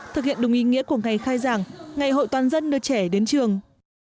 thực hiện đúng ý nghĩa của ngày khai giảng ngày hội toàn dân đưa trẻ đến trường